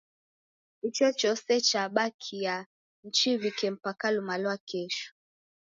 Ichochose chabakiaa mchiw'ike mpaka luma lwa nakesho.